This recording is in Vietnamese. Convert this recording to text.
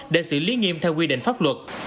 để xử lý nghiêm theo quy định pháp luật